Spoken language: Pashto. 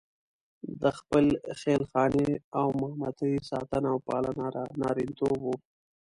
د خپلې خېل خانې او مامتې ساتنه او پالنه نارینتوب وو.